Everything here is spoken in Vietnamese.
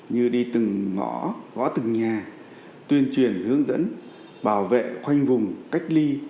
như đi từng ngõ gõ từng nhà tuyên truyền hướng dẫn bảo vệ khoanh vùng cách ly